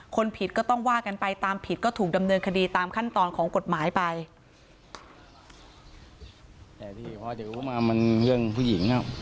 คนผิดก็ต้องว่ากันไปตามผิดก็ถูกดำเนินคดีตามขั้นตอนของกฎหมายไป